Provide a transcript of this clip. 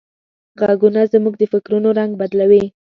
غږونه زموږ د فکرونو رنگ بدلوي.